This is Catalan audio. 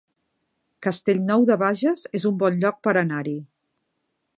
Castellnou de Bages es un bon lloc per anar-hi